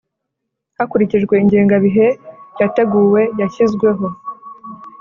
hakurikijwe ingengabihe yateguwe yashyizweho .